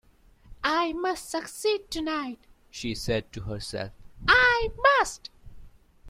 "I must succeed tonight," she said to herself — "I must!"